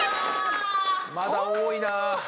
まだ多いな。